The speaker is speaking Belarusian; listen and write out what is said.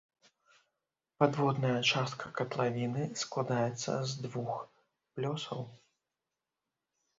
Падводная частка катлавіны складаецца з двух плёсаў.